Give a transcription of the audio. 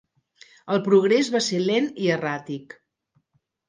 El progrés va ser lent i erràtic.